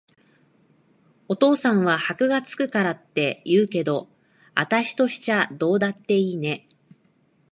お父さんは箔が付くからって言うけど、あたしとしちゃどうだっていいね。